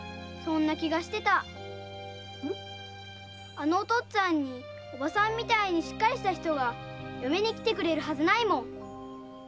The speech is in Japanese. あのお父っつぁんにおばさんみたいにしっかりした人が嫁にきてくれるはずないもん。